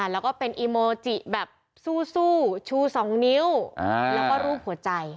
แล้วก็เป็นอีโมจิแบบสู้ชู๒นิ้วแล้วก็รูปหัวใจ